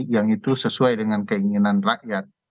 yang itu sesuai dengan keinginan rakyat